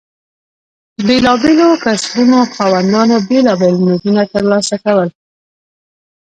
بېلابېلو کسبونو خاوندانو بېلابېل مزدونه ترلاسه کول.